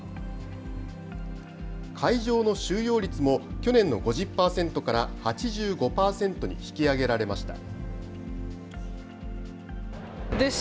会場の収容率も去年の５０％から８５％に引き上げられました。